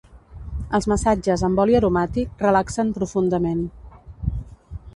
Els massatges amb oli aromàtic relaxen profundament.